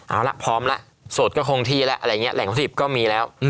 เอาละพร้อมแล้วสดก็คงที่แล้วอะไรอย่างนี้แหล่งของ๑๐ก็มีแล้ว